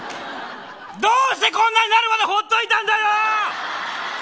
どうしてこんなになるまで放っておいたんだよ。